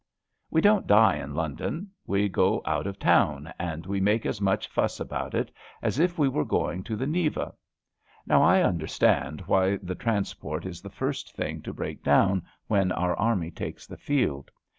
We don't die in London. We go out of town. LETTEES ON LEAVE 199 and we make as much fnss about it as if we were going to the Neva. Now I understand why the trans port is the first thing to break down when our army takes the field.